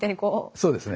そうですね。